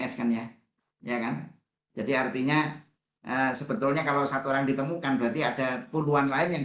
s kan ya kan jadi artinya sebetulnya kalau satu orang ditemukan berarti ada puluhan lain yang